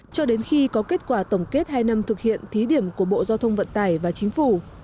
cho đến khi có kết quả tổng kết hai năm thực hiện thí điểm của bộ giao thông vận tải và chính phủ